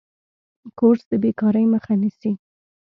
کورس د بیکارۍ مخه نیسي.